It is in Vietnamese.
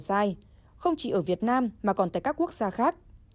dài không chỉ ở việt nam mà còn tại các quốc gia khác